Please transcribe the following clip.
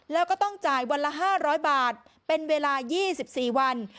แล้วก็ต้องจ่ายวันละห้าร้อยบาทเป็นเวลายี่สิบสี่วัน